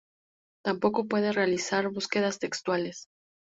Tampoco puede realizar búsquedas textuales.